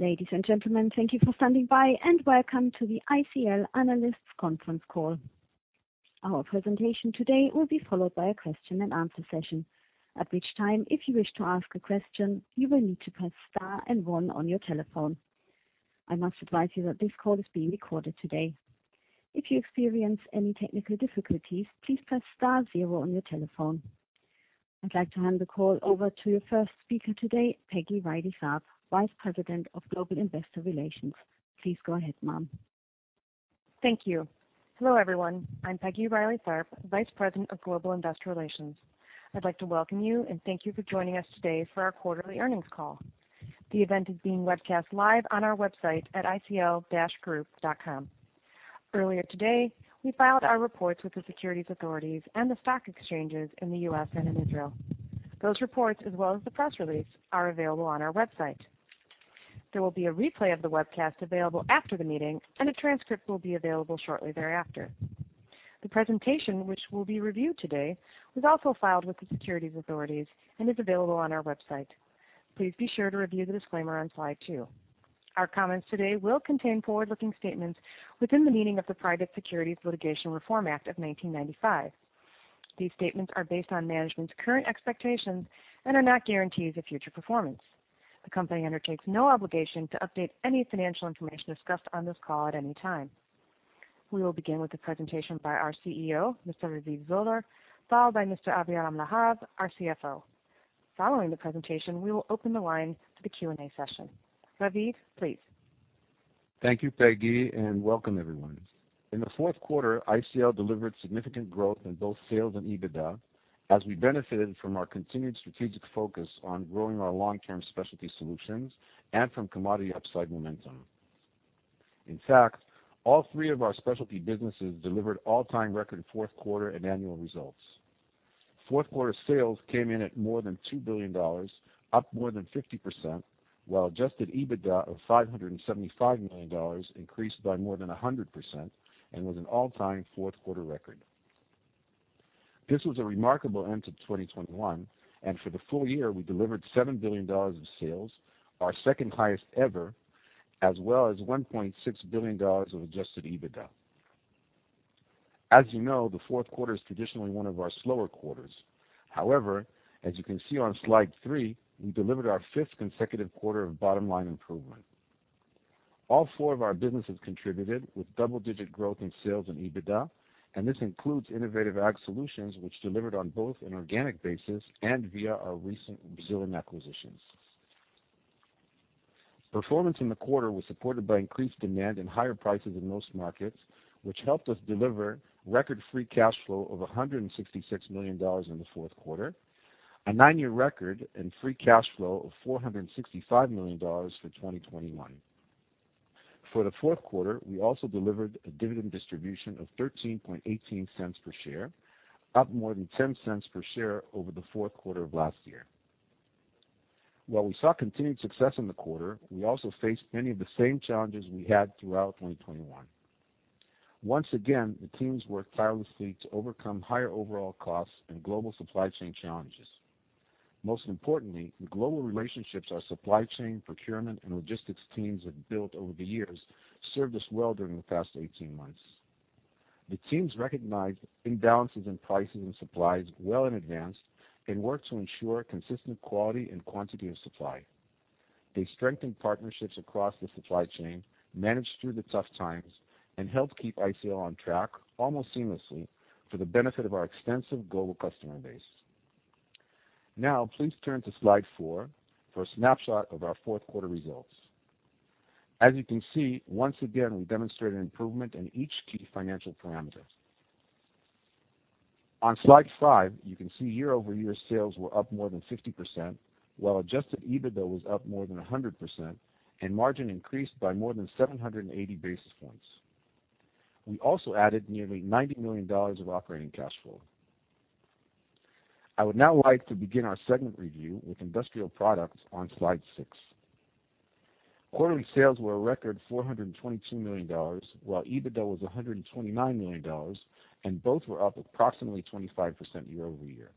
Ladies, and gentlemen, thank you for standing by, and welcome to the ICL Analysts Conference Call. Our presentation today will be followed by a question-and-answer session, at which time, if you wish to ask a question, you will need to press star and one on your telephone. I must advise you that this call is being recorded today. If you experience any technical difficulties, please press star zero on your telephone. I'd like to hand the call over to your first speaker today, Peggy Reilly Tharp, Vice President of Global Investor Relations. Please go ahead, ma'am. Thank you. Hello, everyone. I'm Peggy Reilly Tharp, Vice President of Global Investor Relations. I'd like to welcome you, and thank you for joining us today for our quarterly earnings call. The event is being webcast live on our website at icl-group.com. Earlier today, we filed our reports with the securities authorities and the stock exchanges in the U.S. and in Israel. Those reports, as well as the press release, are available on our website. There will be a replay of the webcast available after the meeting, and a transcript will be available shortly thereafter. The presentation, which will be reviewed today, was also filed with the securities authorities and is available on our website. Please be sure to review the disclaimer on slide two. Our comments today will contain forward-looking statements within the meaning of the Private Securities Litigation Reform Act of 1995. These statements are based on management's current expectations and are not guarantees of future performance. The company undertakes no obligation to update any financial information discussed on this call at any time. We will begin with a presentation by our CEO, Mr. Raviv Zoller, followed by Mr. Aviram Lahav, our CFO. Following the presentation, we will open the line to the Q&A session. Raviv, please. Thank you, Peggy, and welcome everyone. In the fourth quarter, ICL delivered significant growth in both sales and EBITDA as we benefited from our continued strategic focus on growing our long-term specialty solutions and from commodity upside momentum. In fact, all three of our specialty businesses delivered all-time record fourth quarter and annual results. Fourth quarter sales came in at more than $2 billion, up more than 50%, while Adjusted EBITDA of $575 million increased by more than 100% and was an all-time fourth-quarter record. This was a remarkable end to 2021, and for the full year, we delivered $7 billion of sales, our second-highest ever, as well as $1.6 billion of Adjusted EBITDA. As you know, the fourth quarter is traditionally one of our slower quarters. However, as you can see on slide three, we delivered our fifth consecutive quarter of bottom-line improvement. All four of our businesses contributed with double-digit growth in sales and EBITDA, and this includes Innovative Ag Solutions, which delivered on both an organic basis and via our recent Brazilian acquisitions. Performance in the quarter was supported by increased demand and higher prices in most markets, which helped us deliver record free cash flow of $166 million in the fourth quarter, a nine year record in free cash flow of $465 million for 2021. For the fourth quarter, we also delivered a dividend distribution of $0.1318 per share, up more than $0.10 per share over the fourth quarter of last year. While we saw continued success in the quarter, we also faced many of the same challenges we had throughout 2021. Once again, the teams worked tirelessly to overcome higher overall costs and global supply chain challenges. Most importantly, the global relationships our supply chain, procurement, and logistics teams have built over the years served us well during the past 18 months. The teams recognized imbalances in prices and supplies well in advance and worked to ensure consistent quality and quantity of supply. They strengthened partnerships across the supply chain, managed through the tough times, and helped keep ICL on track almost seamlessly for the benefit of our extensive global customer base. Now, please turn to slide four for a snapshot of our fourth quarter results. As you can see, once again, we demonstrated improvement in each key financial parameter. On slide five, you can see year-over-year sales were up more than 50%, while Adjusted EBITDA was up more than 100%, and margin increased by more than 780 basis points. We also added nearly $90 million of operating cash flow. I would now like to begin our segment review with Industrial Products on slide six. Quarterly sales were a record $422 million, while EBITDA was $129 million, and both were up approximately 25% year-over-year.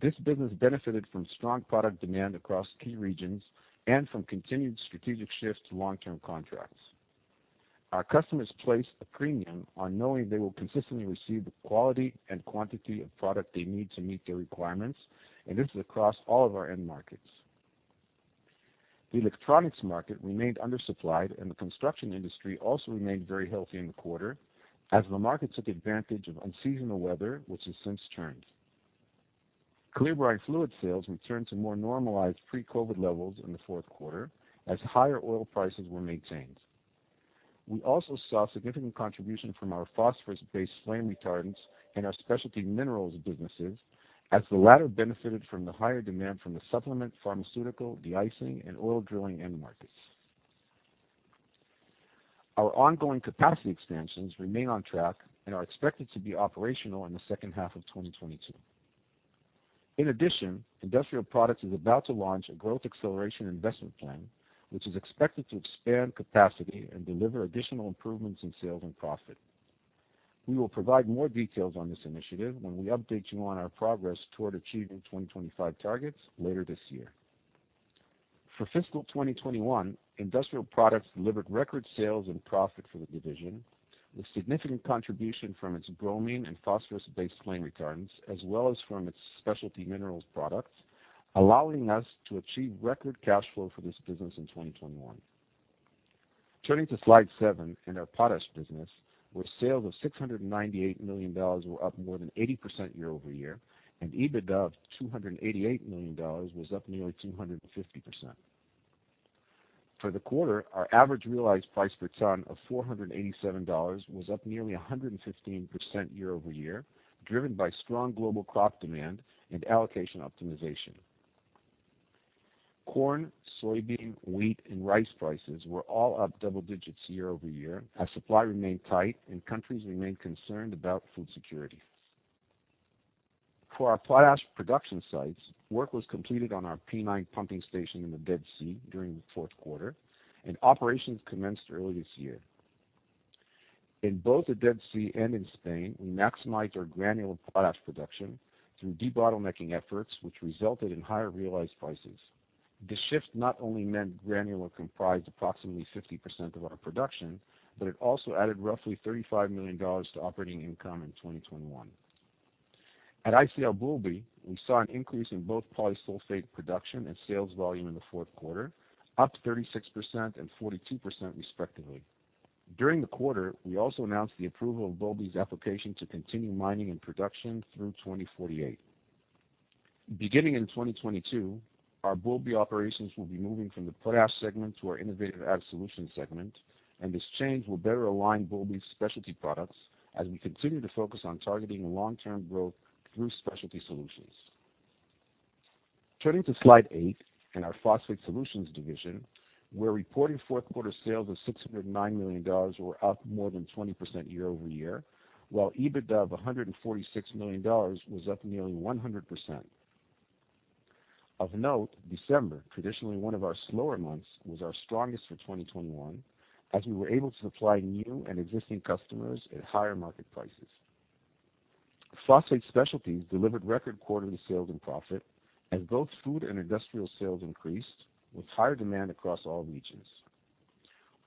This business benefited from strong product demand across key regions and from continued strategic shift to long-term contracts. Our customers place a premium on knowing they will consistently receive the quality and quantity of product they need to meet their requirements, and this is across all of our end markets. The electronics market remained undersupplied, and the construction industry also remained very healthy in the quarter as the market took advantage of unseasonal weather, which has since turned. Clear brine fluids sales returned to more normalized pre-COVID levels in the fourth quarter as higher oil prices were maintained. We also saw significant contribution from our phosphorus-based flame retardants and our specialty minerals businesses as the latter benefited from the higher demand from the supplement, pharmaceutical, de-icing, and oil drilling end markets. Our ongoing capacity expansions remain on track and are expected to be operational in the second half of 2022. In addition, Industrial Products is about to launch a growth acceleration investment plan, which is expected to expand capacity and deliver additional improvements in sales and profit. We will provide more details on this initiative when we update you on our progress toward achieving 2025 targets later this year. For fiscal 2021, Industrial Products delivered record sales and profit for the division, with significant contribution from its bromine and phosphorus-based flame retardants, as well as from its specialty minerals products, allowing us to achieve record cash flow for this business in 2021. Turning to slide seven in our Potash business, where sales of $698 million were up more than 80% year-over-year, and EBITDA of $288 million was up nearly 250%. For the quarter, our average realized price per ton of $487 was up nearly 115% year-over-year, driven by strong global crop demand and allocation optimization. Corn, soybean, wheat, and rice prices were all up double digits year-over-year as supply remained tight and countries remained concerned about food security. For our potash production sites, work was completed on our P9 pumping station in the Dead Sea during the fourth quarter, and operations commenced early this year. In both the Dead Sea and in Spain, we maximized our granular potash production through debottlenecking efforts, which resulted in higher realized prices. This shift not only meant granular comprised approximately 50% of our production, but it also added roughly $35 million to operating income in 2021. At ICL Boulby, we saw an increase in both Polysulphate production and sales volume in the fourth quarter, up 36% and 42% respectively. During the quarter, we also announced the approval of Boulby's application to continue mining and production through 2048. Beginning in 2022, our Boulby operations will be moving from the Potash segment to our Innovative Ag Solutions segment, and this change will better align Boulby's specialty products as we continue to focus on targeting long-term growth through specialty solutions. Turning to slide eight in our Phosphate Solutions division, where reported fourth quarter sales of $609 million were up more than 20% year-over-year, while EBITDA of $146 million was up nearly 100%. Of note, December, traditionally one of our slower months, was our strongest for 2021, as we were able to supply new and existing customers at higher market prices. Phosphate Specialty delivered record quarterly sales and profit as both food and industrial sales increased with higher demand across all regions.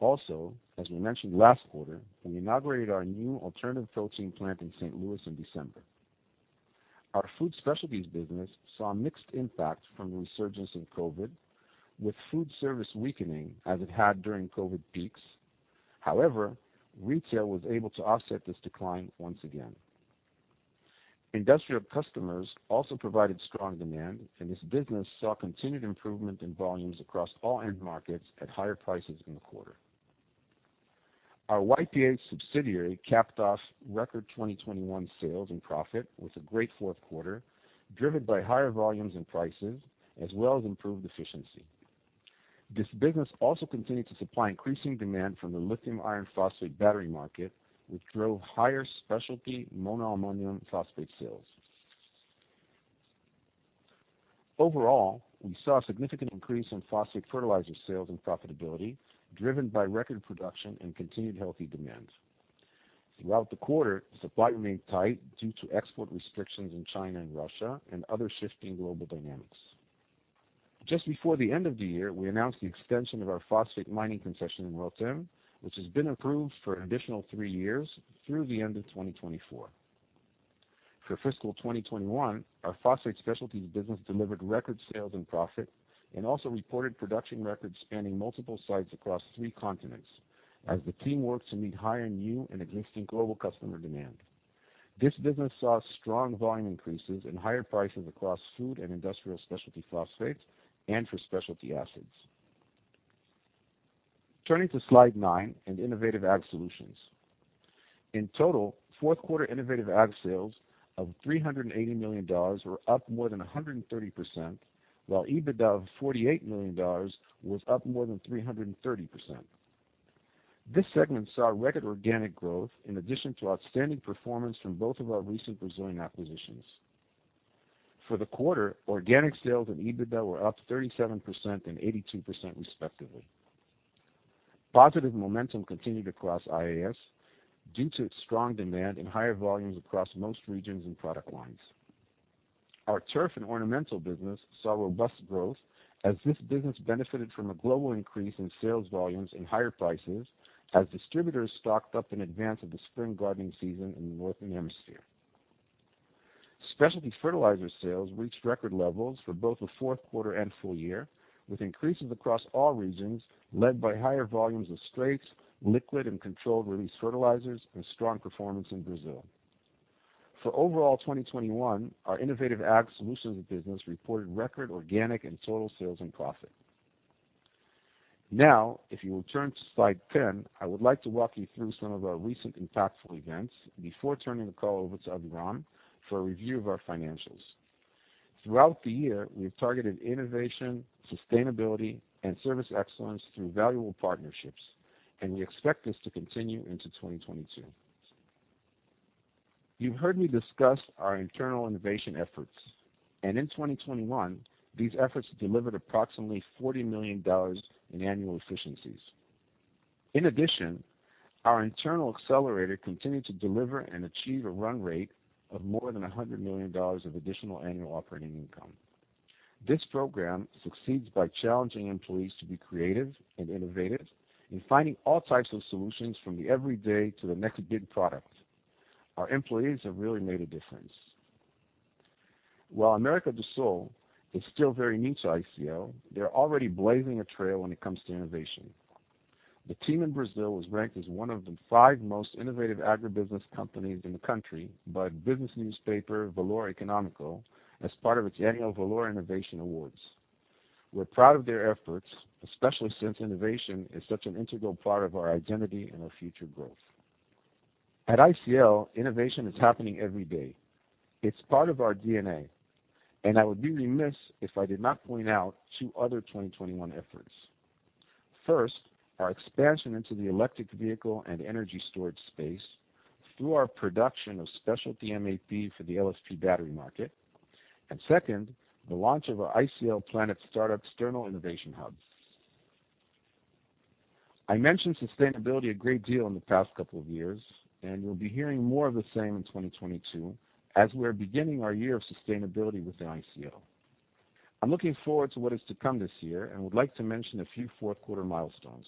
Also, as we mentioned last quarter, we inaugurated our new alternative protein plant in St. Louis in December. Our Food Specialties business saw a mixed impact from the resurgence of COVID, with food service weakening as it had during COVID peaks. However, retail was able to offset this decline once again. Industrial customers also provided strong demand, and this business saw continued improvement in volumes across all end markets at higher prices in the quarter. Our YPH subsidiary capped off record 2021 sales and profit with a great fourth quarter, driven by higher volumes and prices as well as improved efficiency. This business also continued to supply increasing demand from the lithium iron phosphate battery market, which drove higher specialty monoammonium phosphate sales. Overall, we saw a significant increase in phosphate fertilizer sales and profitability, driven by record production and continued healthy demand. Throughout the quarter, supply remained tight due to export restrictions in China and Russia and other shifting global dynamics. Just before the end of the year, we announced the extension of our phosphate mining concession in Rotem, which has been approved for an additional three years through the end of 2024. For fiscal 2021, our Phosphate Specialty business delivered record sales and profit and also reported production records spanning multiple sites across three continents as the team worked to meet higher new and existing global customer demand. This business saw strong volume increases and higher prices across food and industrial specialty phosphates and for specialty acids. Turning to slide nine in Innovative Ag Solutions. In total, fourth quarter Innovative Ag sales of $380 million were up more than 130%, while EBITDA of $48 million was up more than 330%. This segment saw record organic growth in addition to outstanding performance from both of our recent Brazilian acquisitions. For the quarter, organic sales and EBITDA were up 37% and 82% respectively. Positive momentum continued across IAS due to its strong demand and higher volumes across most regions and product lines. Our turf and ornamental business saw robust growth as this business benefited from a global increase in sales volumes and higher prices as distributors stocked up in advance of the spring gardening season in the Northern Hemisphere. Specialty fertilizer sales reached record levels for both the fourth quarter and full year, with increases across all regions led by higher volumes of straights, liquid, and controlled release fertilizers and strong performance in Brazil. For overall 2021, our Innovative Ag Solutions business reported record organic and total sales and profit. Now, if you will turn to slide 10, I would like to walk you through some of our recent impactful events before turning the call over to Aviram for a review of our financials. Throughout the year, we have targeted innovation, sustainability, and service excellence through valuable partnerships, and we expect this to continue into 2022. You've heard me discuss our internal innovation efforts, and in 2021, these efforts delivered approximately $40 million in annual efficiencies. In addition, our internal accelerator continued to deliver and achieve a run rate of more than $100 million of additional annual operating income. This program succeeds by challenging employees to be creative and innovative in finding all types of solutions, from the everyday to the next big product. Our employees have really made a difference. While América do Sul is still very new to ICL, they're already blazing a trail when it comes to innovation. The team in Brazil was ranked as one of the five most innovative agribusiness companies in the country by business newspaper Valor Econômico as part of its annual Valor Innovation Awards. We're proud of their efforts, especially since innovation is such an integral part of our identity and our future growth. At ICL, innovation is happening every day. It's part of our DNA, and I would be remiss if I did not point out two other 2021 efforts. First, our expansion into the electric vehicle and energy storage space through our production of specialty MAP for the LFP battery market. Second, the launch of our ICL Planet startup's external innovation hub. I mentioned sustainability a great deal in the past couple of years, and you'll be hearing more of the same in 2022, as we are beginning our year of sustainability within ICL. I'm looking forward to what is to come this year and would like to mention a few fourth quarter milestones.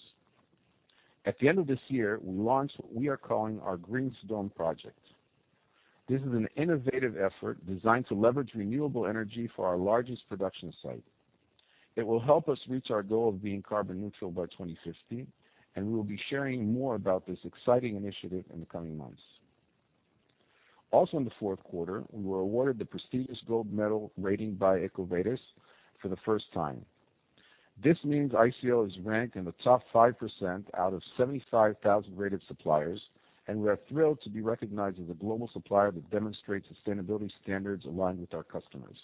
At the end of this year, we launched what we are calling our Green Dome project. This is an innovative effort designed to leverage renewable energy for our largest production site. It will help us reach our goal of being carbon neutral by 2050, and we will be sharing more about this exciting initiative in the coming months. Also in the fourth quarter, we were awarded the prestigious gold medal rating by EcoVadis for the first time. This means ICL is ranked in the top 5% out of 75,000 rated suppliers, and we are thrilled to be recognized as a global supplier that demonstrates sustainability standards aligned with our customers.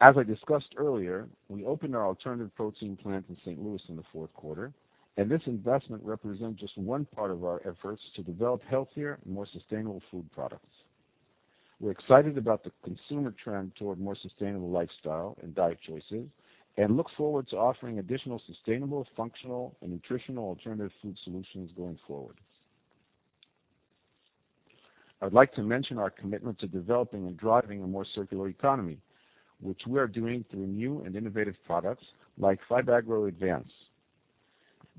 As I discussed earlier, we opened our alternative protein plant in St. Louis in the fourth quarter, and this investment represents just one part of our efforts to develop healthier and more sustainable food products. We're excited about the consumer trend toward more sustainable lifestyle and diet choices and look forward to offering additional sustainable, functional, and nutritional alternative food solutions going forward. I'd like to mention our commitment to developing and driving a more circular economy, which we are doing through new and innovative products like Fibagro Advance.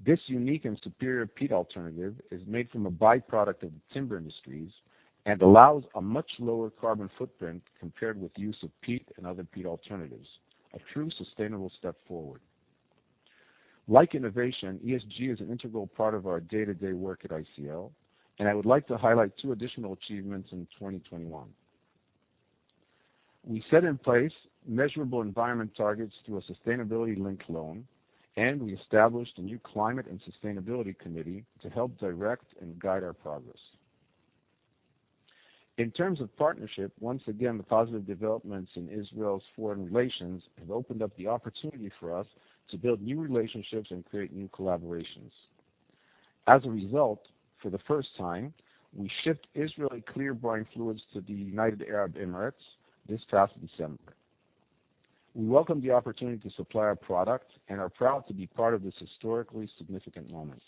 This unique and superior peat alternative is made from a by-product of the timber industries and allows a much lower carbon footprint compared with use of peat and other peat alternatives. A true sustainable step forward. Like innovation, ESG is an integral part of our day-to-day work at ICL, and I would like to highlight two additional achievements in 2021. We set in place measurable environmental targets through a sustainability-linked loan, and we established a new climate and sustainability committee to help direct and guide our progress. In terms of partnerships, once again, the positive developments in Israel's foreign relations have opened up the opportunity for us to build new relationships and create new collaborations. As a result, for the first time, we shipped Israeli clear brine fluids to the United Arab Emirates this past December. We welcome the opportunity to supply our product and are proud to be part of this historically significant moment.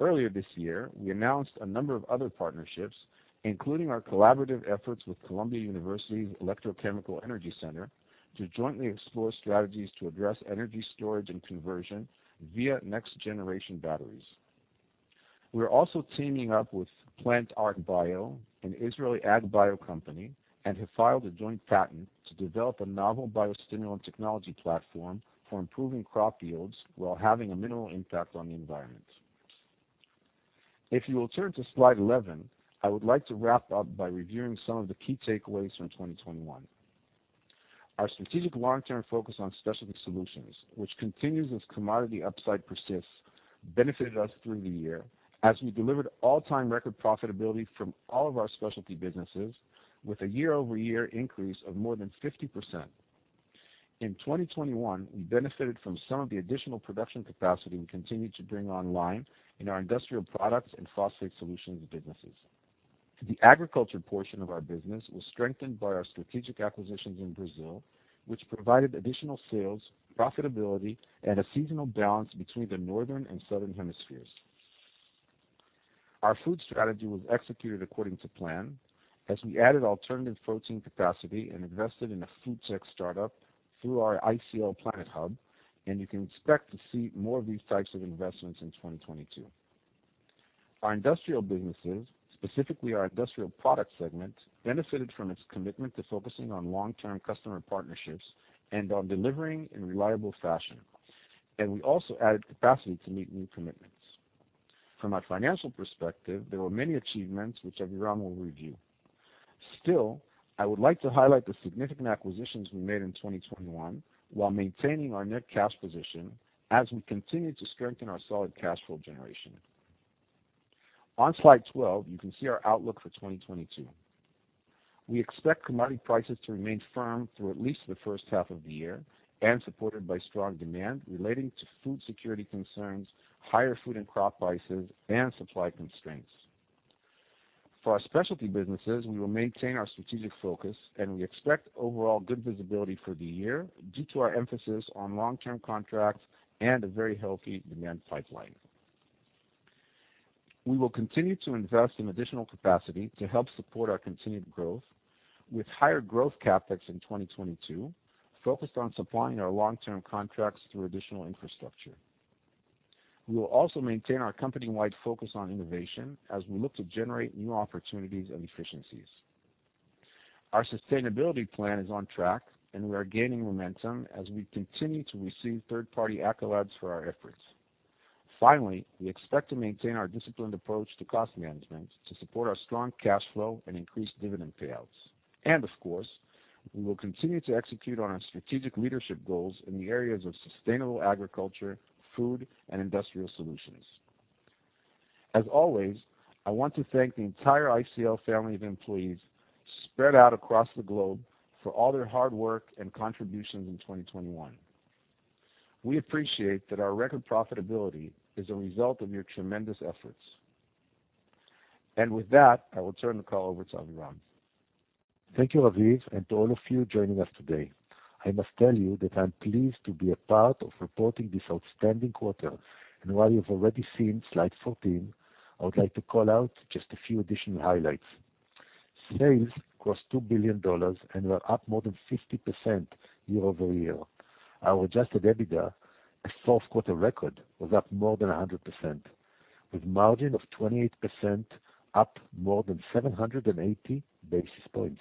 Earlier this year, we announced a number of other partnerships, including our collaborative efforts with Columbia Electrochemical Energy Center, to jointly explore strategies to address energy storage and conversion via next-generation batteries. We are also teaming up with PlantArcBio, an Israeli AgBio company, and have filed a joint patent to develop a novel biostimulant technology platform for improving crop yields while having a minimal impact on the environment. If you will turn to slide 11, I would like to wrap up by reviewing some of the key takeaways from 2021. Our strategic long-term focus on specialty solutions, which continues as commodity upside persists, benefited us through the year as we delivered all-time record profitability from all of our specialty businesses with a year-over-year increase of more than 50%. In 2021, we benefited from some of the additional production capacity we continued to bring online in our Industrial Products and Phosphate Solutions businesses. The agriculture portion of our business was strengthened by our strategic acquisitions in Brazil, which provided additional sales, profitability, and a seasonal balance between the Northern and Southern hemispheres. Our food strategy was executed according to plan as we added alternative protein capacity and invested in a food tech startup through our ICL Planet hub, and you can expect to see more of these types of investments in 2022. Our industrial businesses, specifically our Industrial Products segment, benefited from its commitment to focusing on long-term customer partnerships and on delivering in reliable fashion, and we also added capacity to meet new commitments. From a financial perspective, there were many achievements which Aviram will review. Still, I would like to highlight the significant acquisitions we made in 2021 while maintaining our net cash position as we continue to strengthen our solid cash flow generation. On slide 12, you can see our outlook for 2022. We expect commodity prices to remain firm through at least the first half of the year and supported by strong demand relating to food security concerns, higher food and crop prices, and supply constraints. For our specialty businesses, we will maintain our strategic focus, and we expect overall good visibility for the year due to our emphasis on long-term contracts and a very healthy demand pipeline. We will continue to invest in additional capacity to help support our continued growth with higher growth CapEx in 2022 focused on supplying our long-term contracts through additional infrastructure. We will also maintain our company-wide focus on innovation as we look to generate new opportunities and efficiencies. Our sustainability plan is on track, and we are gaining momentum as we continue to receive third-party accolades for our efforts. Finally, we expect to maintain our disciplined approach to cost management to support our strong cash flow and increased dividend payouts. Of course, we will continue to execute on our strategic leadership goals in the areas of sustainable agriculture, food, and industrial solutions. As always, I want to thank the entire ICL family of employees spread out across the globe for all their hard work and contributions in 2021. We appreciate that our record profitability is a result of your tremendous efforts. With that, I will turn the call over to Aviram. Thank you, Raviv, and to all of you joining us today. I must tell you that I'm pleased to be a part of reporting this outstanding quarter. While you've already seen slide 14, I would like to call out just a few additional highlights. Sales across $2 billion and were up more than 50% year-over-year. Our Adjusted EBITDA, a fourth-quarter record, was up more than 100%, with margin of 28% up more than 780 basis points.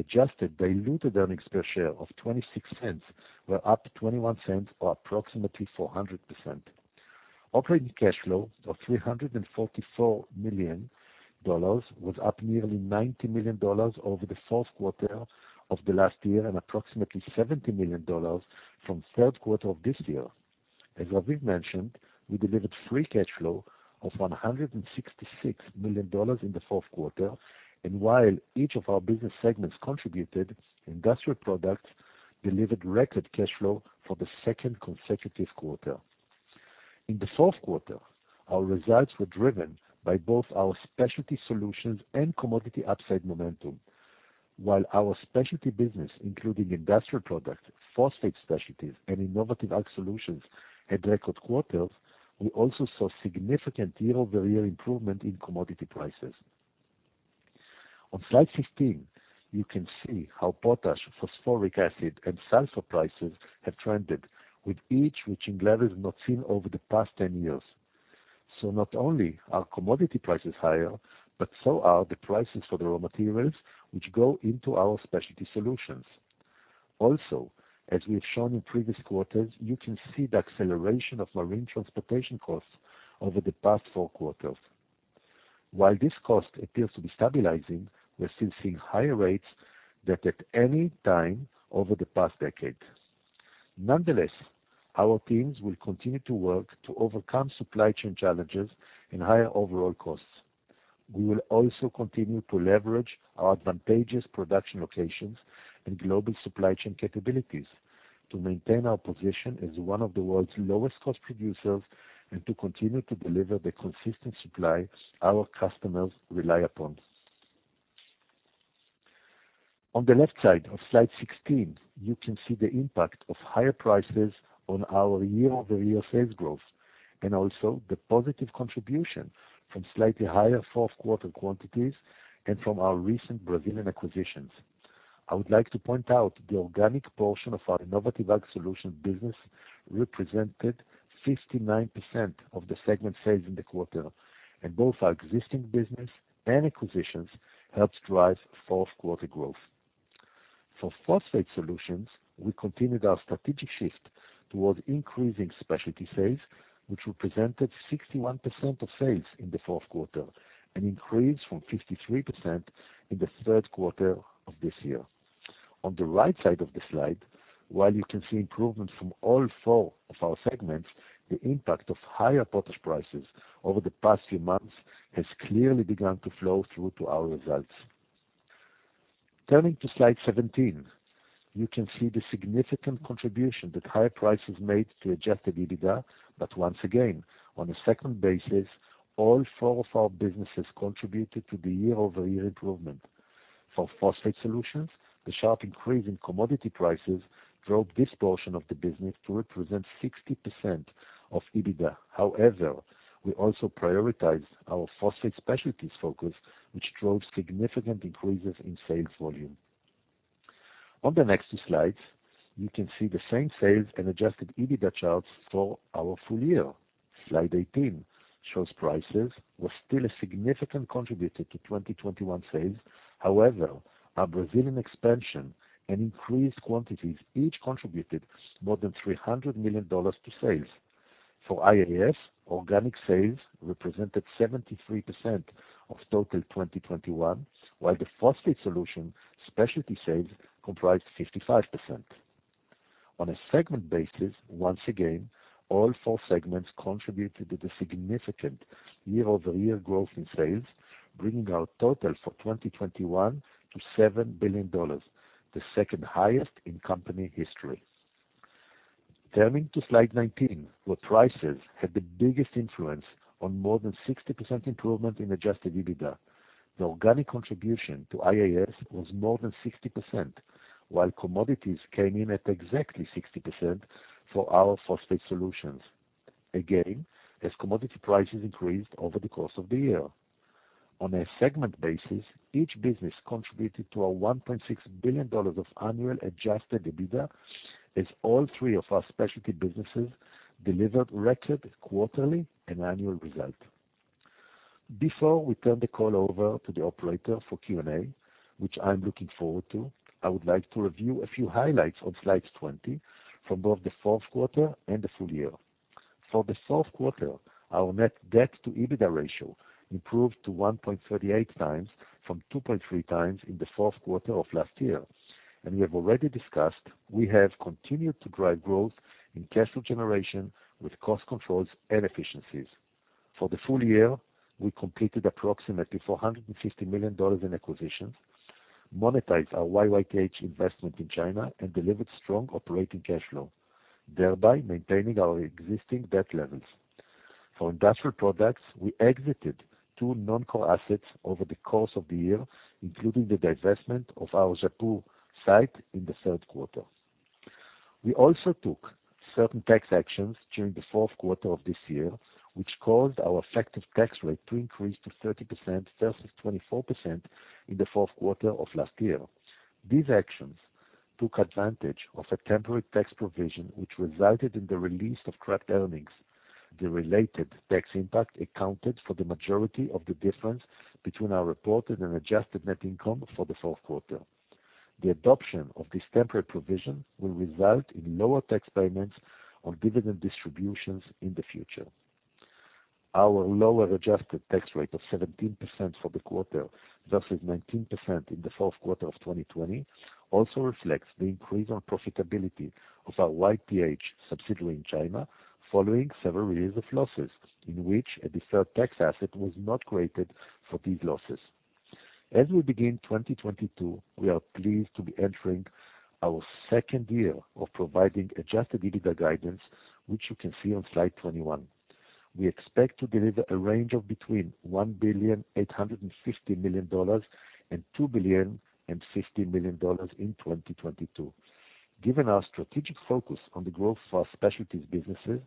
Adjusted diluted earnings per share of $0.26 were up $0.21, or approximately 400%. Operating cash flow of $344 million was up nearly $90 million over the fourth quarter of last year and approximately $70 million from third quarter of this year. As Raviv mentioned, we delivered free cash flow of $166 million in the fourth quarter. While each of our business segments contributed, Industrial Products delivered record cash flow for the second consecutive quarter. In the fourth quarter, our results were driven by both our Specialty Solutions and Commodity upside momentum. While our specialty business, including Industrial Products, Phosphate Specialty, and Innovative Ag Solutions, had record quarters, we also saw significant year-over-year improvement in commodity prices. On slide 15, you can see how potash, phosphoric acid, and sulfur prices have trended, with each reaching levels not seen over the past 10 years. Not only are commodity prices higher, but so are the prices for the raw materials which go into our Specialty Solutions. Also, as we've shown in previous quarters, you can see the acceleration of marine transportation costs over the past four quarters. While this cost appears to be stabilizing, we're still seeing higher rates than at any time over the past decade. Nonetheless, our teams will continue to work to overcome supply chain challenges and higher overall costs. We will also continue to leverage our advantageous production locations and global supply chain capabilities to maintain our position as one of the world's lowest cost producers and to continue to deliver the consistent supply our customers rely upon. On the left side of slide 16, you can see the impact of higher prices on our year-over-year sales growth and also the positive contribution from slightly higher fourth-quarter quantities and from our recent Brazilian acquisitions. I would like to point out the organic portion of our Innovative Ag Solutions business represented 59% of the segment sales in the quarter, and both our existing business and acquisitions helped drive fourth-quarter growth. For Phosphate Solutions, we continued our strategic shift towards increasing specialty sales, which represented 61% of sales in the fourth quarter, an increase from 53% in the third quarter of this year. On the right side of the slide, while you can see improvement from all four of our segments, the impact of higher potash prices over the past few months has clearly begun to flow through to our results. Turning to slide 17, you can see the significant contribution that higher prices made to Adjusted EBITDA, but once again, on a segment basis, all four of our businesses contributed to the year-over-year improvement. For Phosphate Solutions, the sharp increase in commodity prices drove this portion of the business to represent 60% of EBITDA. However, we also prioritize our Phosphate Specialty focus, which drove significant increases in sales volume. On the next two slides, you can see the same sales and Adjusted EBITDA charts for our full year. Slide 18 shows prices was still a significant contributor to 2021 sales. However, our Brazilian expansion and increased quantities each contributed more than $300 million to sales. For IAS, organic sales represented 73% of total 2021, while the Phosphate Solutions specialty sales comprised 55%. On a segment basis, once again, all four segments contributed to the significant year-over-year growth in sales, bringing our total for 2021 to $7 billion, the second highest in company history. Turning to slide 19, where prices had the biggest influence on more than 60% improvement in Adjusted EBITDA. The organic contribution to IAS was more than 60%, while commodities came in at exactly 60% for our Phosphate Solutions. Again, as commodity prices increased over the course of the year. On a segment basis, each business contributed to our $1.6 billion of annual Adjusted EBITDA, as all three of our specialty businesses delivered record quarterly and annual results. Before we turn the call over to the operator for Q&A, which I'm looking forward to, I would like to review a few highlights on slide 20 from both the fourth quarter and the full year. For the fourth quarter, our net debt-to-EBITDA ratio improved to 1.38x from 2.3x in the fourth quarter of last year. We have already discussed we have continued to drive growth in cash flow generation with cost controls and efficiencies. For the full year, we completed approximately $450 million in acquisitions, monetized our YTH investment in China, and delivered strong operating cash flow, thereby maintaining our existing debt levels. For Industrial Products, we exited two non-core assets over the course of the year, including the divestment of our Zhapu site in the third quarter. We also took certain tax actions during the fourth quarter of this year, which caused our effective tax rate to increase to 30% versus 24% in the fourth quarter of last year. These actions took advantage of a temporary tax provision which resulted in the release of trapped earnings. The related tax impact accounted for the majority of the difference between our reported and adjusted net income for the fourth quarter. The adoption of this temporary provision will result in lower tax payments on dividend distributions in the future. Our lower adjusted tax rate of 17% for the quarter versus 19% in the fourth quarter of 2020 also reflects the increase on profitability of our YPH subsidiary in China following several years of losses, in which a deferred tax asset was not created for these losses. As we begin 2022, we are pleased to be entering our second year of providing Adjusted EBITDA guidance, which you can see on slide 21. We expect to deliver a range of between $1.85 billion and $2.05 billion in 2022. Given our strategic focus on the growth of our specialties businesses,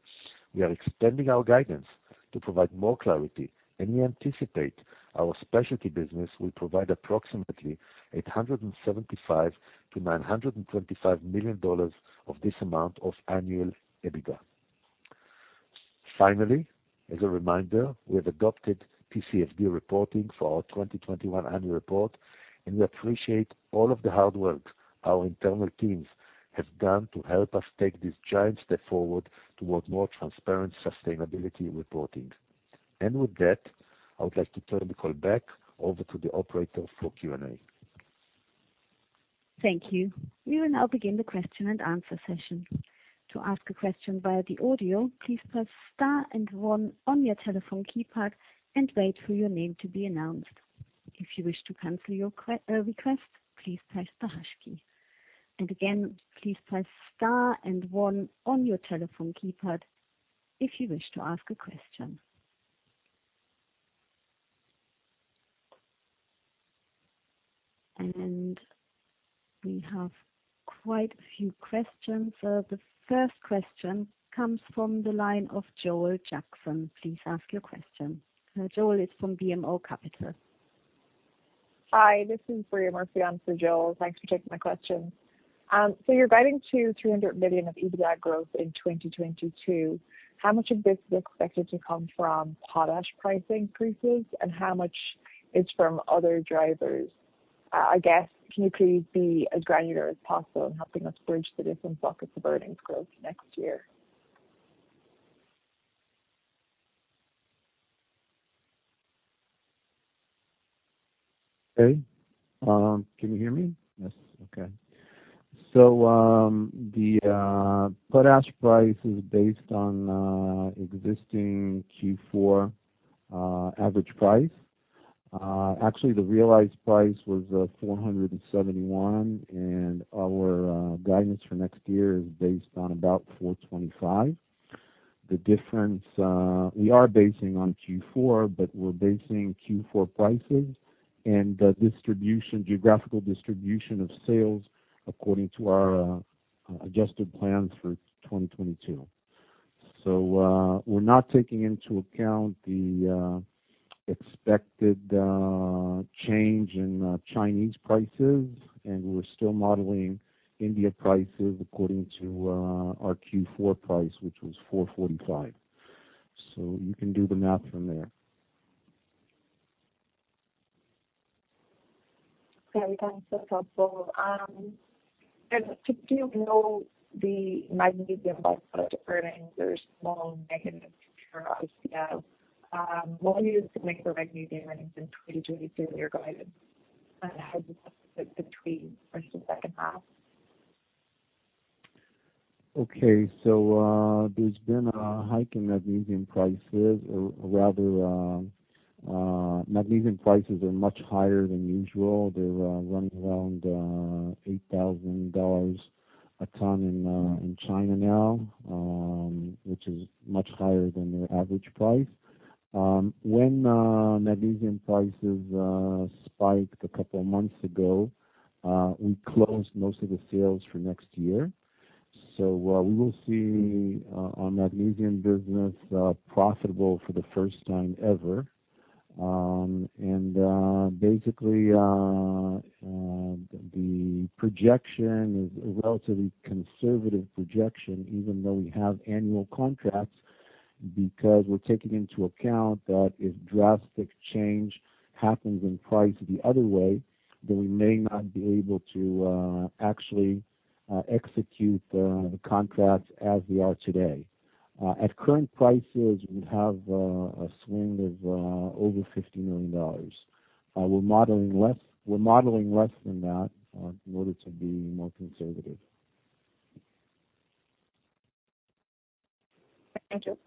we are expanding our guidance to provide more clarity. We anticipate our specialty business will provide approximately $875 million-$925 million of this amount of annual EBITDA. Finally, as a reminder, we have adopted TCFD reporting for our 2021 annual report, and we appreciate all of the hard work our internal teams have done to help us take this giant step forward towards more transparent sustainability reporting. With that, I would like to turn the call back over to the operator for Q&A. Thank you. We will now begin the question-and-answer session. To ask a question via the audio, please press star and one on your telephone keypad and wait for your name to be announced. If you wish to cancel your request, please press the hash key. Again, please press star and one on your telephone keypad if you wish to ask a question. We have quite a few questions. The first question comes from the line of Joel Jackson. Please ask your question. Joel is from BMO Capital. Hi, this is Bria Murphy answering for Joel. Thanks for taking my question. You're guiding to $300 million of EBITDA growth in 2022. How much of this is expected to come from potash pricing increases, and how much is from other drivers? I guess can you please be as granular as possible in helping us bridge the different buckets of earnings growth next year? Okay. Can you hear me? Yes. Okay. The potash price is based on existing Q4 average price. Actually, the realized price was $471, and our guidance for next year is based on about $425. The difference we are basing on Q4, but we're basing Q4 prices and the distribution, geographical distribution of sales according to our adjusted plans for 2022. We're not taking into account the expected change in Chinese prices, and we're still modeling India prices according to our Q4 price, which was $445. You can do the math from there. Great. Thanks. That's helpful. Do you know the magnesium byproduct earnings are small and negative to your ICL? What is the mix for magnesium earnings in 2022 in your guidance? How does it look like between first and second half? Okay. There's been a hike in magnesium prices, or rather, magnesium prices are much higher than usual. They're running around $8,000 a ton in China now, which is much higher than their average price. When magnesium prices spiked a couple of months ago, we closed most of the sales for next year. We will see our magnesium business profitable for the first time ever. Basically, the projection is a relatively conservative projection even though we have annual contracts, because we're taking into account that if drastic change happens in price the other way, then we may not be able to actually execute the contracts as we are today. At current prices, we have a swing of over $50 million. We're modeling less than that, in order to be more conservative. Thank you.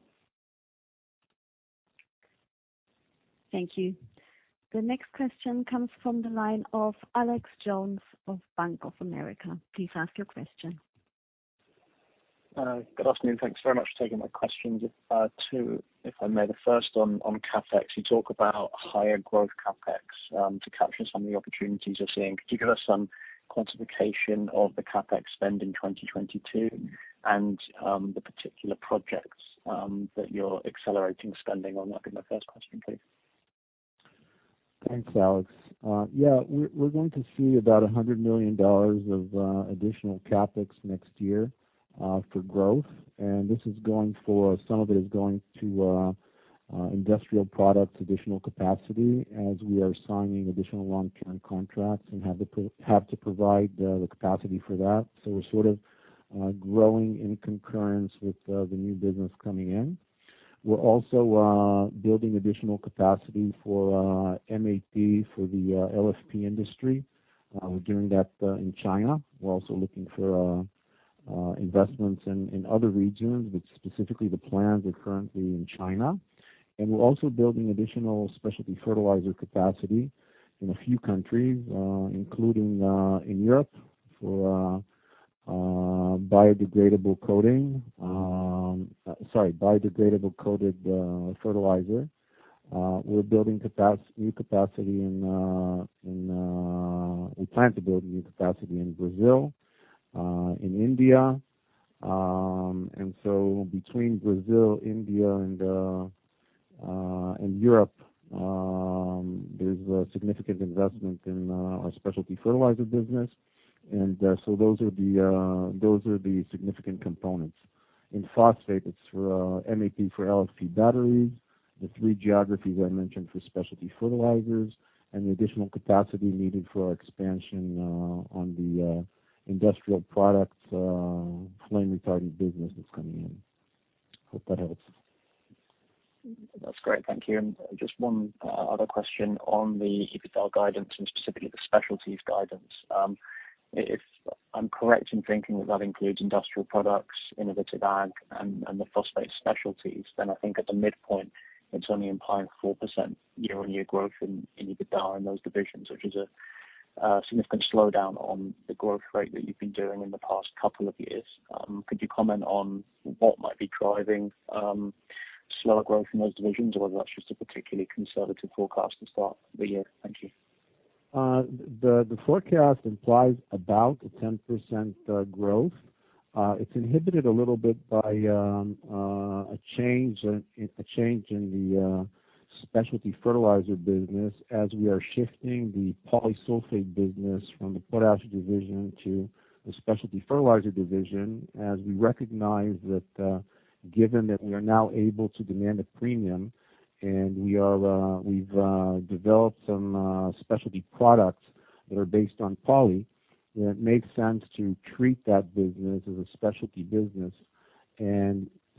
Thank you. The next question comes from the line of Alex Jones of Bank of America. Please ask your question. Good afternoon. Thanks very much for taking my questions. There are two, if I may. The first on CapEx. You talk about higher growth CapEx to capture some of the opportunities you're seeing. Could you give us some quantification of the CapEx spend in 2022 and the particular projects that you're accelerating spending on? That'd be my first question, please. Thanks, Alex. Yeah. We're going to see about $100 million of additional CapEx next year for growth. Some of it is going to Industrial Products additional capacity as we are signing additional long-term contracts and have to provide the capacity for that. We're sort of growing in concurrence with the new business coming in. We're also building additional capacity for MAP for the LFP industry. We're doing that in China. We're also looking for investments in other regions, but specifically the plans are currently in China. We're also building additional specialty fertilizer capacity in a few countries, including in Europe for biodegradable coated fertilizer. We're building new capacity in Brazil, in India. We plan to build new capacity in Brazil, in India. Between Brazil, India, and Europe, there's a significant investment in our specialty fertilizer business. Those are the significant components. In phosphate, it's for MAP for LFP batteries, the three geographies I mentioned for specialty fertilizers, and the additional capacity needed for our expansion on the Industrial Products flame retardant business that's coming in. Hope that helps. That's great. Thank you. Just one other question on the EBITDA guidance and specifically the Specialties guidance. If I'm correct in thinking that that includes Industrial Products, Innovative Ag, and the Phosphate Specialty, then I think at the midpoint, it's only implying 4% year-on-year growth in EBITDA in those divisions, which is a significant slowdown on the growth rate that you've been doing in the past couple of years. Could you comment on what might be driving slower growth in those divisions or whether that's just a particularly conservative forecast to start the year? Thank you. The forecast implies about 10% growth. It's inhibited a little bit by a change in the specialty fertilizer business as we are shifting the Polysulphate business from the potash division to the specialty fertilizer division, as we recognize that given that we are now able to demand a premium and we've developed some specialty products that are based on poly, that it makes sense to treat that business as a specialty business.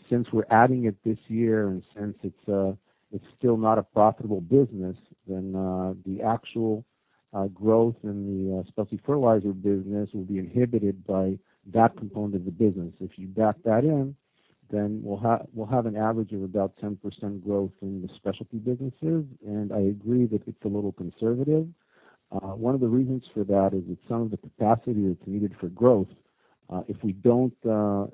Since we're adding it this year and since it's still not a profitable business, the actual growth in the specialty fertilizer business will be inhibited by that component of the business. If you back that in, then we'll have an average of about 10% growth in the specialty businesses. I agree that it's a little conservative. One of the reasons for that is that some of the capacity that's needed for growth, if we don't build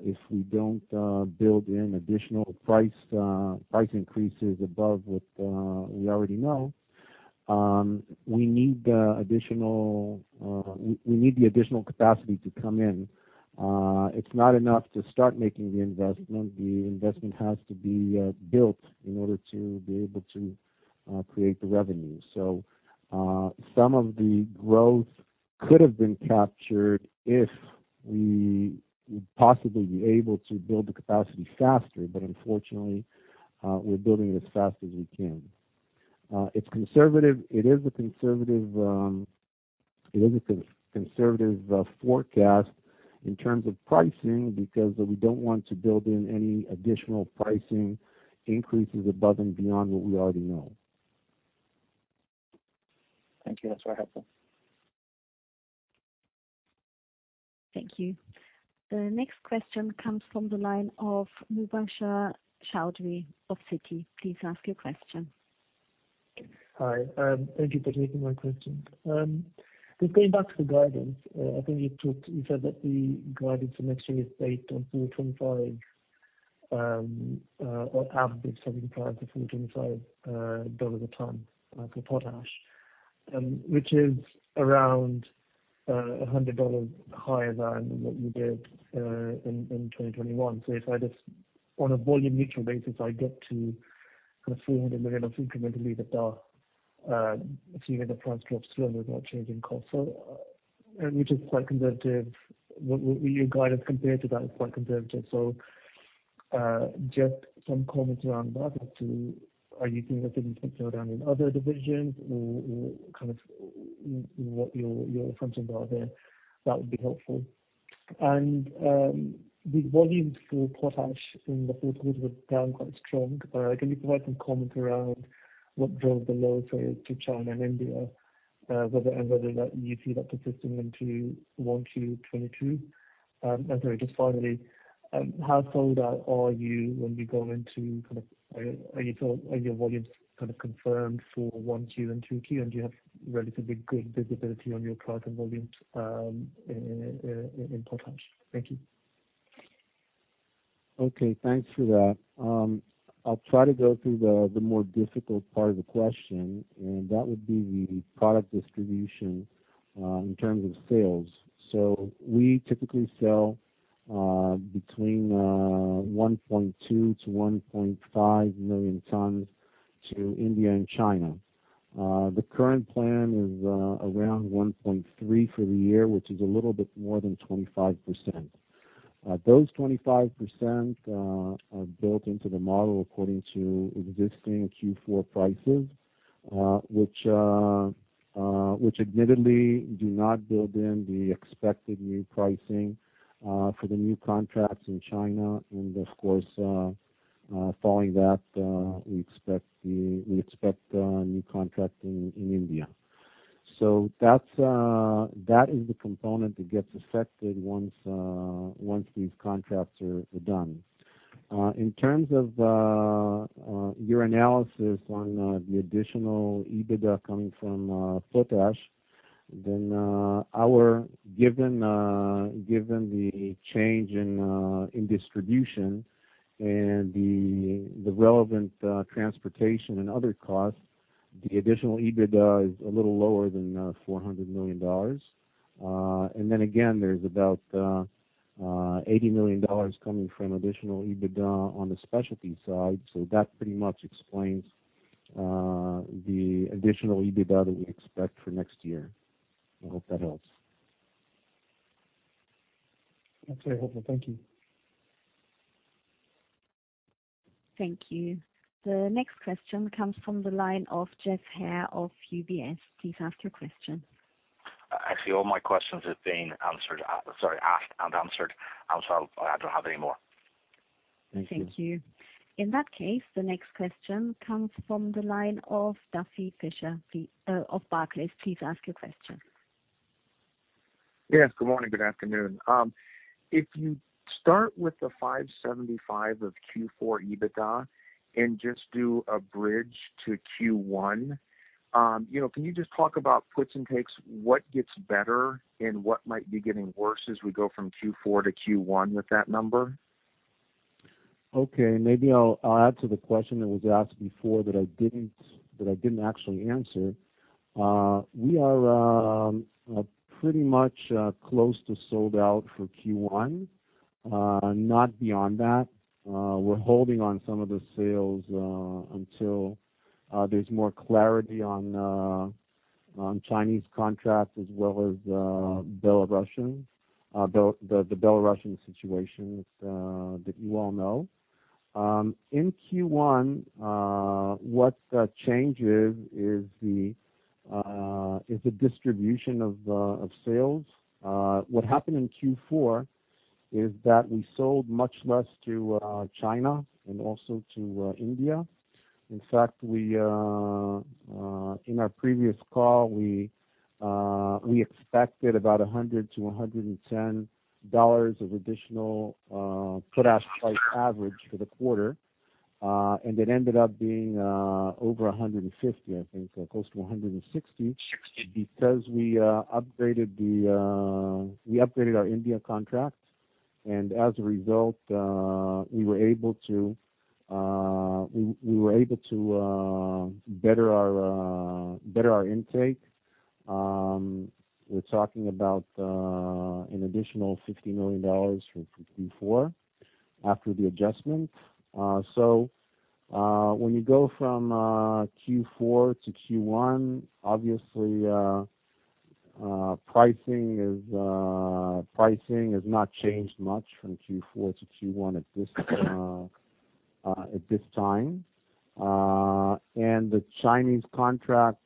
in additional price increases above what we already know, we need the additional capacity to come in. It's not enough to start making the investment. The investment has to be built in order to be able to create the revenue. Some of the growth could have been captured if we would possibly be able to build the capacity faster. Unfortunately, we're building it as fast as we can. It's conservative. It is a conservative forecast in terms of pricing because we don't want to build in any additional pricing increases above and beyond what we already know. Thank you. That's very helpful. Thank you. The next question comes from the line of Mubasher Chaudhry of Citi. Please ask your question. Hi, thank you for taking my question. Just going back to the guidance, I think you said that the guidance for next year is based on 425 or average selling price of $425 a ton for potash, which is around $100 higher than what you did in 2021. If I just on a volume neutral basis, I get to kind of $400 million of incremental EBITDA, assuming the price drops slower without changing costs. Which is quite conservative. Well, your guidance compared to that is quite conservative. Just some comments around that or too, are you seeing that in other divisions or kind of what your assumptions are there, that would be helpful. The volumes for potash in the fourth quarter were down quite strong. Can you provide some comment around what drove the lows, say, to China and India, whether that you see that persisting into 1Q 2022? How sold out are you when we go into kind of, are your volumes kind of confirmed for 1Q and 2Q? Do you have relatively good visibility on your product and volumes in potash? Thank you. Okay, thanks for that. I'll try to go through the more difficult part of the question, and that would be the product distribution in terms of sales. We typically sell between 1.2 million-1.5 million tons to India and China. The current plan is around 1.3 million for the year, which is a little bit more than 25%. Those 25% are built into the model according to existing Q4 prices, which admittedly do not build in the expected new pricing for the new contracts in China. Of course, following that, we expect new contracts in India. That is the component that gets affected once these contracts are done. In terms of your analysis on the additional EBITDA coming from potash, then given the change in distribution and the relevant transportation and other costs, the additional EBITDA is a little lower than $400 million. Then again, there's about $80 million coming from additional EBITDA on the specialty side. That pretty much explains the additional EBITDA that we expect for next year. I hope that helps. That's very helpful. Thank you. Thank you. The next question comes from the line of Geoff Haire of UBS. Please ask your question. Actually, all my questions have been answered, sorry, asked and answered. I don't have any more. Thank you. Thank you. In that case, the next question comes from the line of Duffy Fischer of Barclays. Please ask your question. Yes, good morning, good afternoon. If you start with the $575 million of Q4 EBITDA and just do a bridge to Q1, you know, can you just talk about puts and takes, what gets better and what might be getting worse as we go from Q4 to Q1 with that number? Okay. Maybe I'll add to the question that was asked before that I didn't actually answer. We are pretty much close to sold out for Q1. Not beyond that. We're holding on some of the sales until there's more clarity on Chinese contracts as well as the Belarusians situation that you all know. In Q1, what changes is the distribution of sales. What happened in Q4 is that we sold much less to China and also to India. In fact, in our previous call, we expected about $100-$110 of additional potash price average for the quarter. It ended up being over $150, I think, so close to $160. Because we upgraded our India contract. As a result, we were able to better our intake. We're talking about an additional $50 million from Q4 after the adjustment. When you go from Q4 to Q1, obviously, pricing has not changed much from Q4 to Q1 at this time. The Chinese contract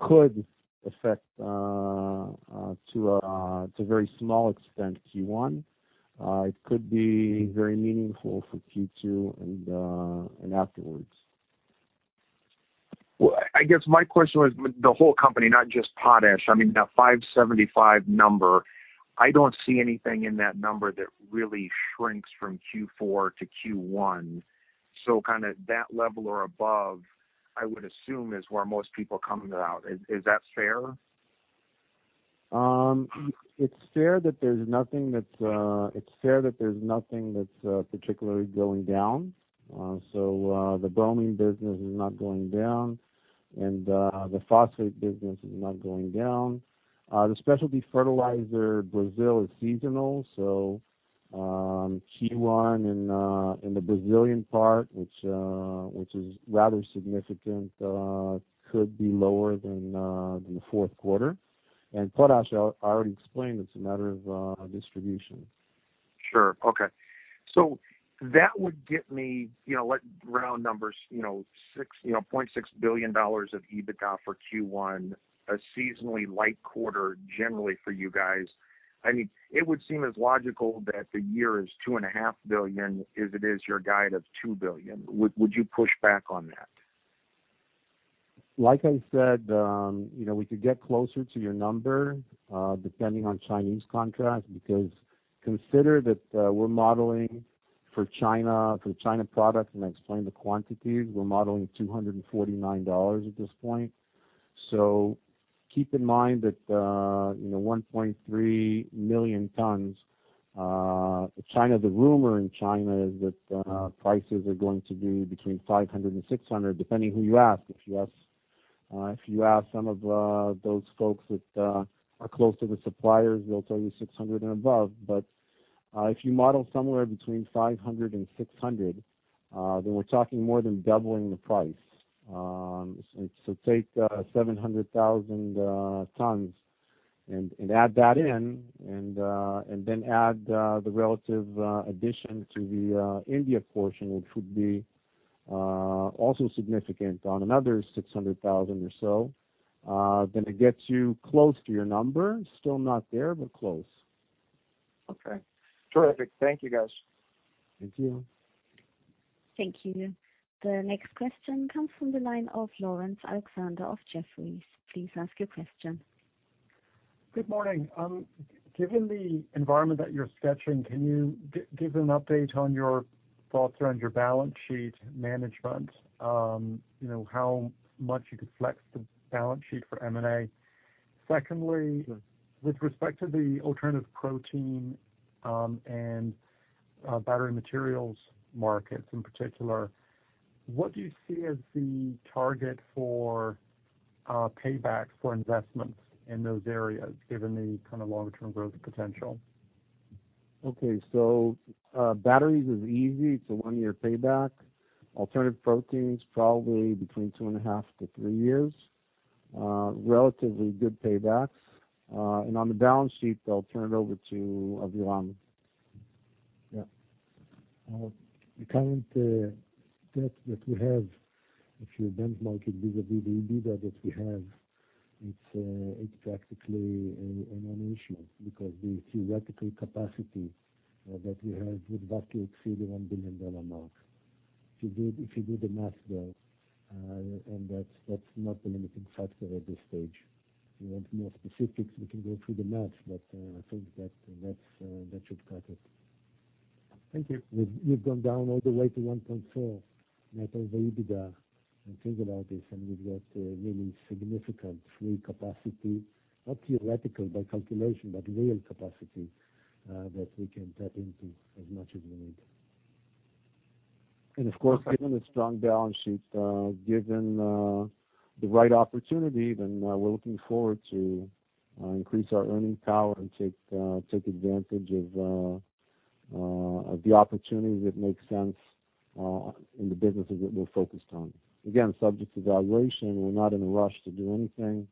could affect Q1 to a very small extent. It could be very meaningful for Q2 and afterwards. Well, I guess my question was the whole company, not just potash. I mean, that $575 million number, I don't see anything in that number that really shrinks from Q4 to Q1. So kind of that level or above, I would assume, is where most people are coming out. Is that fair? It's fair that there's nothing that's particularly going down. The bromine business is not going down, and the phosphate business is not going down. The specialty fertilizer Brazil is seasonal, so Q1 in the Brazilian part, which is rather significant, could be lower than the fourth quarter. Potash, I already explained, it's a matter of distribution. Sure. Okay. That would get me, you know, like round numbers, you know, $0.6 billion of EBITDA for Q1, a seasonally light quarter generally for you guys. I mean, it would seem as logical that the year is $2.5 billion as it is your guide of $2 billion. Would you push back on that? Like I said, you know, we could get closer to your number, depending on Chinese contracts, because consider that, we're modeling for China, for the China product, and I explained the quantities, we're modeling $249 at this point. Keep in mind that, you know, 1.3 million tons, China, the rumor in China is that, prices are going to be between $500-$600, depending who you ask. If you ask some of those folks that are close to the suppliers, they'll tell you $600+. If you model somewhere between $500-$600, then we're talking more than doubling the price. Take 700,000 tons and add that in and then add the relative addition to the India portion, which would be also significant on another 600,000 or so. It gets you close to your number. Still not there, but close. Okay. Terrific. Thank you, guys. Thank you. Thank you. The next question comes from the line of Laurence Alexander of Jefferies. Please ask your question. Good morning. Given the environment that you're sketching, can you give an update on your thoughts around your balance sheet management? You know, how much you could flex the balance sheet for M&A? Secondly, with respect to the alternative protein and battery materials markets in particular, what do you see as the target for payback for investments in those areas, given the kind of longer-term growth potential? Okay. Batteries is easy. It's a one year payback. Alternative proteins, probably between two and a half to three years. Relatively good paybacks. On the balance sheet, I'll turn it over to Aviram. Yeah, the current debt that we have, if you benchmark it vis-à-vis the EBITDA that we have, it's practically a non-issue because the theoretical capacity that we have would vastly exceed the $1 billion mark. If you do the math there, and that's not the limiting factor at this stage. If you want more specifics, we can go through the math, but I think that should cut it. Thank you. We've gone down all the way to 1.4x net over EBITDA and think about this, and we've got a really significant free capacity, not theoretical by calculation, but real capacity, that we can tap into as much as we need. Of course, given the strong balance sheet, the right opportunity, then we're looking forward to increase our earning power and take advantage of the opportunities that make sense in the businesses that we're focused on. Again, subject to valuation, we're not in a rush to do anything.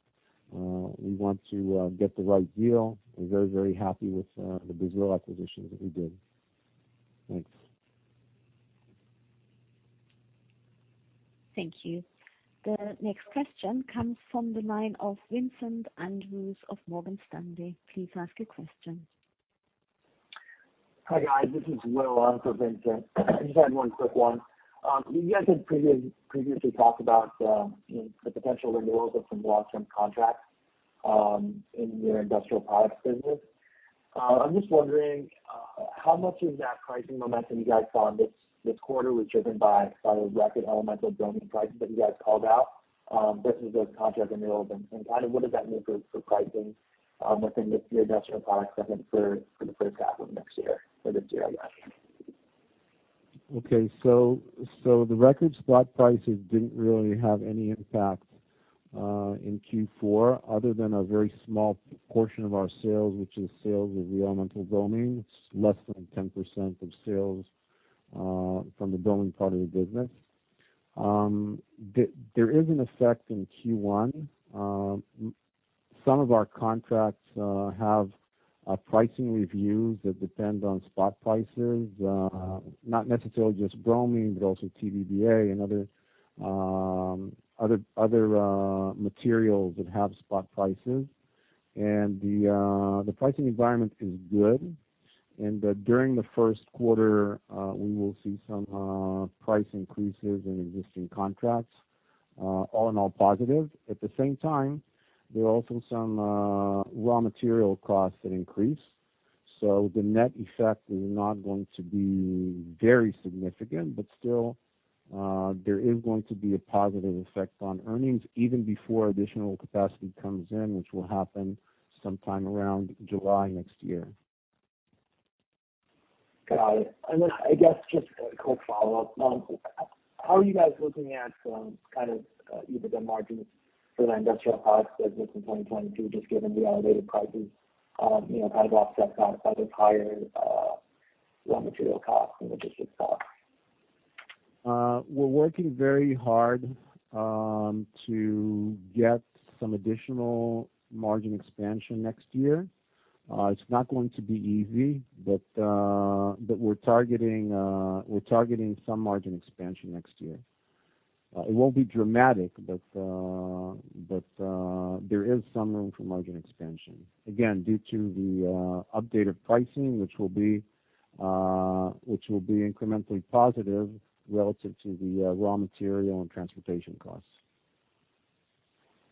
We want to get the right deal. We're very, very happy with the Brazil acquisitions that we did. Thanks. Thank you. The next question comes from the line of Vincent Andrews of Morgan Stanley. Please ask your question. Hi, guys. This is Will on for Vincent. I just had one quick one. You guys had previously talked about, you know, the potential renewals of some long-term contracts in your Industrial Products business. I'm just wondering how much of that pricing momentum you guys saw this quarter was driven by the record elemental bromine prices that you guys called out versus those contract renewals and kind of what does that mean for pricing within the Industrial Products segment for the first half of next year or this year, I guess? The record spot prices didn't really have any impact in Q4 other than a very small portion of our sales, which is sales of the elemental bromine. It's less than 10% of sales from the bromine part of the business. There is an effect in Q1. Some of our contracts have a pricing reviews that depend on spot prices. Not necessarily just bromine, but also TBBPA and other materials that have spot prices. The pricing environment is good. During the first quarter, we will see some price increases in existing contracts. All in all positive. At the same time, there are also some raw material costs that increase. The net effect is not going to be very significant, but still, there is going to be a positive effect on earnings even before additional capacity comes in, which will happen sometime around July next year. Got it. I guess just a quick follow-up. How are you guys looking at kind of EBITDA margins for the Industrial Products business in 2022, just given the elevated prices, you know, kind of offset that by those higher raw material costs and logistics costs? We're working very hard to get some additional margin expansion next year. It's not going to be easy, but we're targeting some margin expansion next year. It won't be dramatic, but there is some room for margin expansion. Again, due to the updated pricing, which will be incrementally positive relative to the raw material and transportation costs.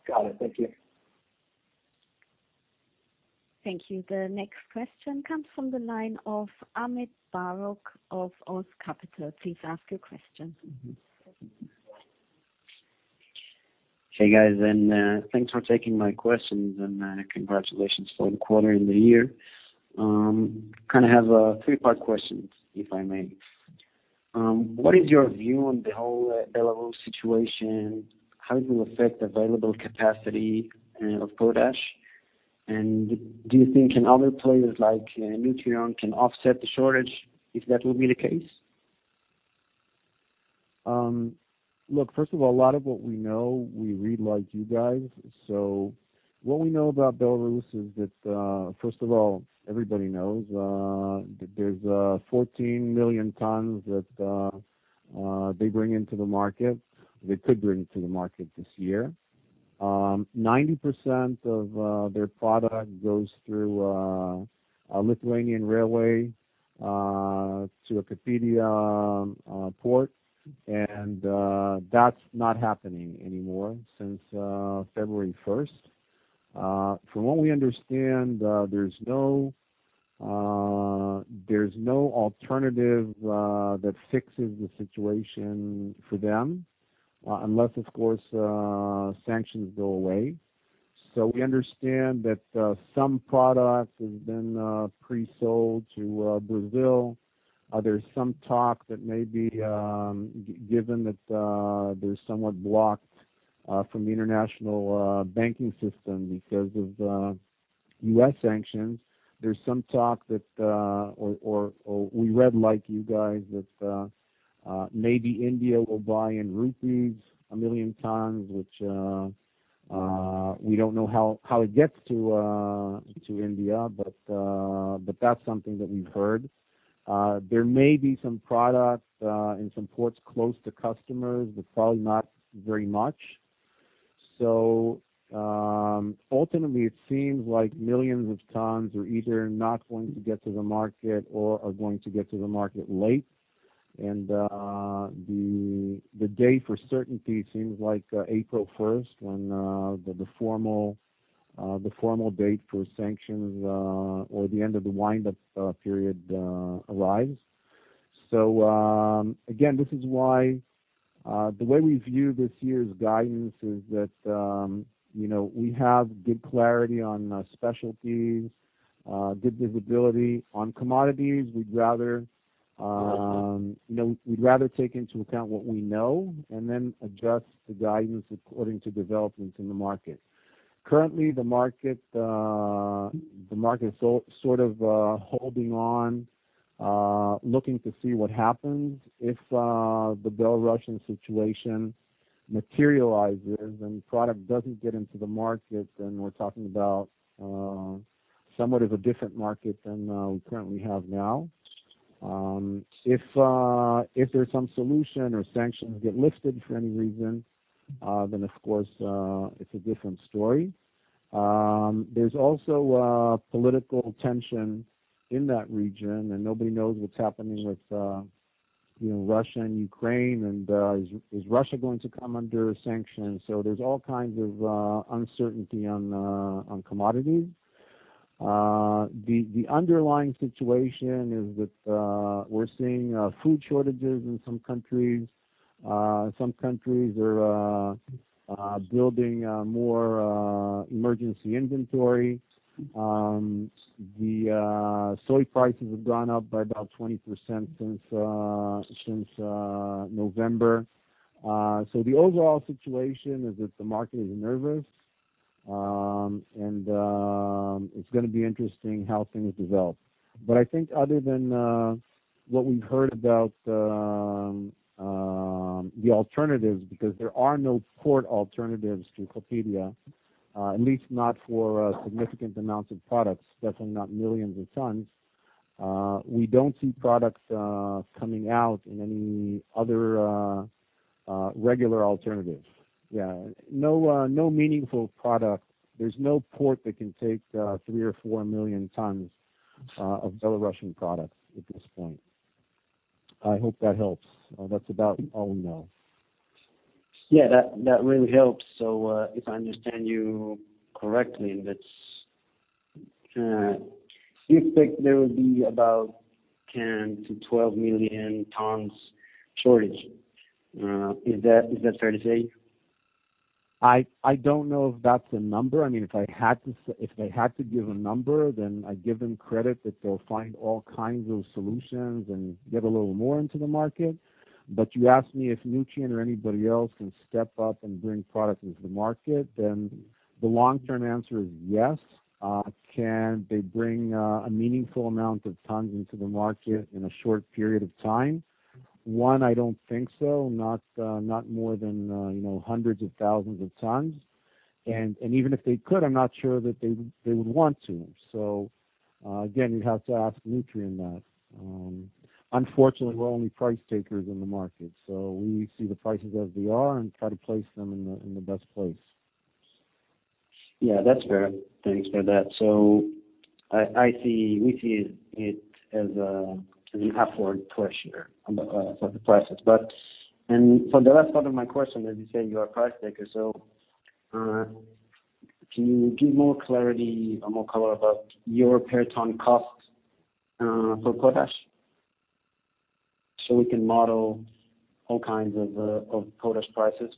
Got it. Thank you. Thank you. The next question comes from the line of Amit Bar-oz of Oz Capital. Please ask your question. Hey, guys. Thanks for taking my questions and congratulations for the quarter and the year. Kind of have a three-part questions, if I may. What is your view on the whole Belarus situation? How it will affect available capacity of potash? Do you think other players like Nutrien can offset the shortage if that will be the case? Look, first of all, a lot of what we know, we read like you guys. What we know about Belarus is that first of all, everybody knows that there's 14 million tons that they bring into the market. They could bring to the market this year. 90% of their product goes through a Lithuanian railway to a Klaipeda port. That's not happening anymore since February first. From what we understand, there's no alternative that fixes the situation for them unless of course sanctions go away. We understand that some products has been pre-sold to Brazil. There's some talk that maybe given that they're somewhat blocked from the international banking system because of U.S. sanctions. There's some talk that or we read like you guys that maybe India will buy in rupees 1 million tons, which we don't know how it gets to India. That's something that we've heard. There may be some products and some ports close to customers, but probably not very much. Ultimately, it seems like millions of tons are either not going to get to the market or are going to get to the market late. The day for certainty seems like April first when the formal date for sanctions or the end of the wind-up period arrives. Again, this is why the way we view this year's guidance is that, you know, we have good clarity on specialties, good visibility. On commodities, we'd rather, you know, we'd rather take into account what we know and then adjust the guidance according to developments in the market. Currently, the market is sort of holding on, looking to see what happens. If the Belarusian situation materializes and product doesn't get into the market, then we're talking about somewhat of a different market than we currently have now. If there's some solution or sanctions get lifted for any reason, then of course it's a different story. There's also political tension in that region, and nobody knows what's happening with, you know, Russia and Ukraine. Is Russia going to come under sanctions? There's all kinds of uncertainty on commodities. The underlying situation is that we're seeing food shortages in some countries. Some countries are building more emergency inventory. The soy prices have gone up by about 20% since November. The overall situation is that the market is nervous. It's gonna be interesting how things develop. I think other than what we've heard about the alternatives, because there are no port alternatives to Klaipeda, at least not for significant amounts of products, definitely not millions of tons. We don't see products coming out in any other regular alternatives. Yeah. No meaningful product. There's no port that can take, 3 million or 4 million tons, of Belarusian products at this point. I hope that helps. That's about all we know. Yeah, that really helps. If I understand you correctly, you expect there will be about 10 million-12 million tons shortage. Is that fair to say? I don't know if that's a number. I mean, if I had to give a number, then I'd give them credit that they'll find all kinds of solutions and get a little more into the market. You asked me if Nutrien or anybody else can step up and bring product into the market, then the long-term answer is yes. Can they bring a meaningful amount of tons into the market in a short period of time? No, I don't think so. Not more than you know, hundreds of thousands of tons. Even if they could, I'm not sure that they would want to. Again, you'd have to ask Nutrien that. Unfortunately, we're only price takers in the market, so we see the prices as they are and try to place them in the best place. Yeah, that's fair. Thanks for that. We see it as an upward pressure on the prices. For the last part of my question, as you say, you are a price taker, so can you give more clarity or more color about your per ton cost for potash? We can model all kinds of potash prices.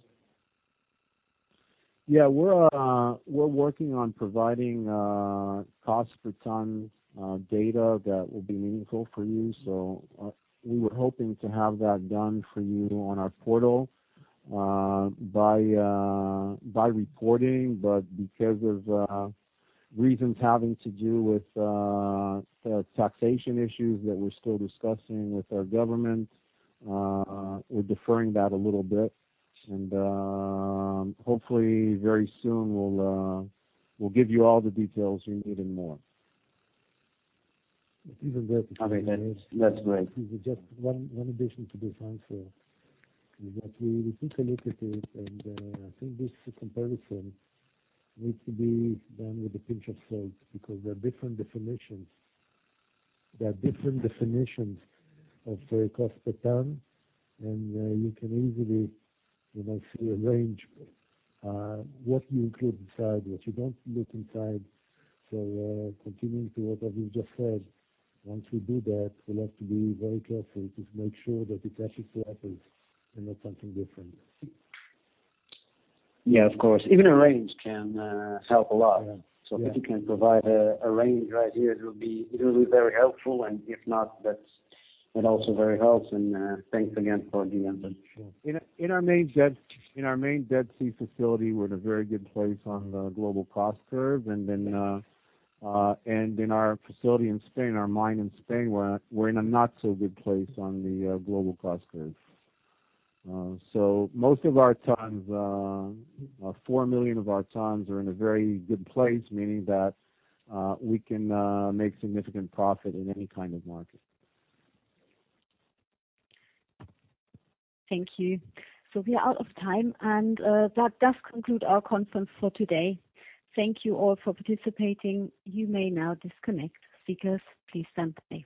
Yeah. We're working on providing cost per ton data that will be meaningful for you. So, we were hoping to have that done for you on our portal by reporting. Because of reasons having to do with taxation issues that we're still discussing with our government, we're deferring that a little bit. Hopefully very soon we'll give you all the details you need and more. Okay. That's great. Just one addition to be done. For that, we took a look at it and I think this comparison needs to be done with a pinch of salt because there are different definitions. There are different definitions of the cost per ton. You can easily, you know, see a range, what you include inside, what you don't put inside. Continuing to what Raviv just said, once we do that, we'll have to be very careful to make sure that it actually happens and not something different. Yeah, of course. Even a range can help a lot. Yeah. If you can provide a range right here, it'll be very helpful. If not, that's it, also very helpful. Thanks again for the input. In our main Dead Sea facility, we're in a very good place on the global cost curve. In our facility in Spain, our mine in Spain, we're in a not so good place on the global cost curve. Most of our tons, 4 million of our tons, are in a very good place, meaning that we can make significant profit in any kind of market. Thank you. We are out of time. That does conclude our conference for today. Thank you all for participating. You may now disconnect. Speakers, please stand by.